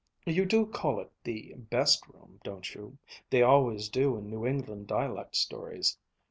You do call it the 'best room,' don't you? They always do in New England dialect stories.